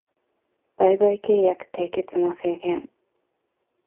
売買契約締結の制限